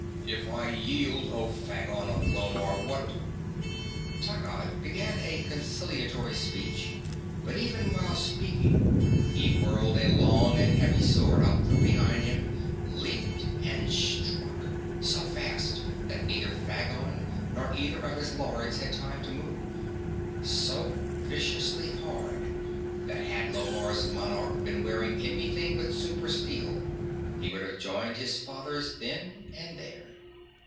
"If I yield, Oh Phagon of Lomarr, what...." Taggad began a conciliatory speech, but even while speaking he whirled a long and heavy sword out from behind him, leaped, and struck so fast that neither Phagon nor either of his lords had time to move; so viciously hard that had Lomarr's monarch been wearing anything but super steel he would have joined his fathers then and there.